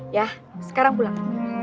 ya sekarang pulang